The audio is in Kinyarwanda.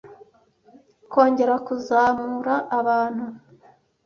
Kongera kuzamura abantu! '